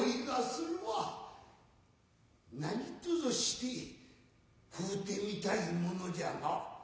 何とぞして食うてみたいものじゃが。